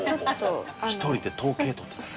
１人で統計取ってたんや。